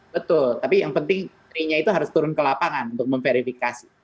betul tapi yang penting tri nya itu harus turun ke lapangan untuk memverifikasi